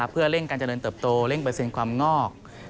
เพื่อเร่งการเจริญเติบโตเร่งเปอร์เซ็นต์ความงอก